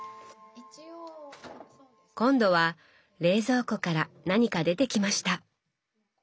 今度は冷蔵庫から何か出てきました。